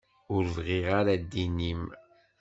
Ur bɣiɣ ara ddin-im.